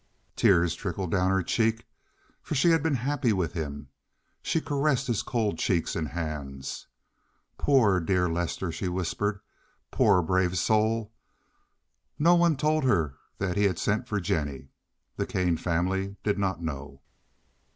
Tears trickled down her cheeks, for she had been happy with him. She caressed his cold cheeks and hands. "Poor, dear Lester!" she whispered. "Poor, brave soul!" No one told her that he had sent for Jennie. The Kane family did not know.